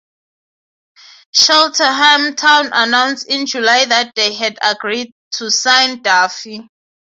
Cheltenham Town announced in July that they had agreed to sign Duffy.